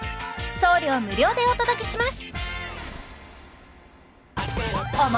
送料無料でお届けします